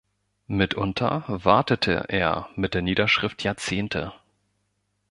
Mitunter wartete er mit der Niederschrift Jahrzehnte.